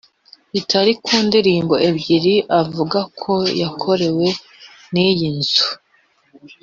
bitari ku ndirimbo ebyiri avuga ko yakorewe n’iyi nzu